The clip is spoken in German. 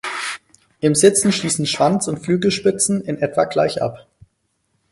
Im Sitzen schließen Schwanz und Flügelspitzen in etwa gleich ab.